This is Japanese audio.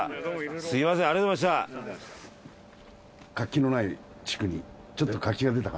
すみませんありがとうございました。